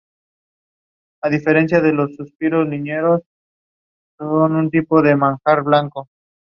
She was also covered in "The Guardian" for the first time.